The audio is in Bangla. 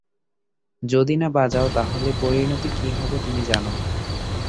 যদি না বাজাও তাহলে পরিণতি কী হবে তুমি জানো।